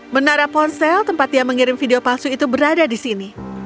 menara ponsel tempat dia mengirim video palsu itu berada di sini